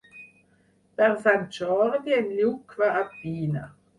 Per Sant Jordi en Lluc va a Pina.